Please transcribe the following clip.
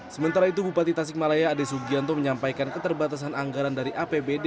sementara itu bupati tasikmalaya ade sugianto menyampaikan keterbatasan anggaran dari apbd